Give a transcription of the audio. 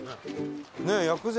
ねえ薬膳。